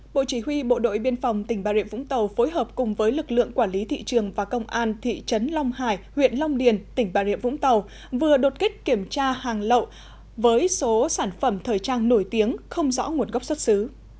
bộ chỉ huy bộ đội biên phòng tỉnh bà rịa vũng tàu phối hợp cùng với lực lượng quản lý thị trường và công an thị trấn long hải huyện long điền tỉnh bà rịa vũng tàu vừa đột kích kiểm tra hàng lậu với số sản phẩm thời trang nổi tiếng không rõ nguồn gốc xuất xứ